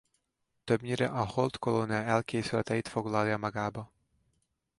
Többnyire a Hold-kolónia előkészületeit foglalja magába.